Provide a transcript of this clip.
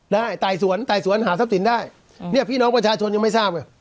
ได้ไต่สวนไต่สวนหาทรัพย์สินได้เนี่ยพี่น้องประชาชนยังไม่ทราบไง